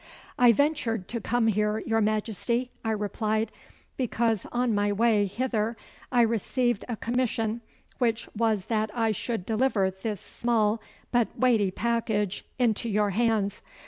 'I ventured to come here, your Majesty,' I replied, 'because on my way hither I received a commission, which was that I should deliver this small but weighty package into your hands.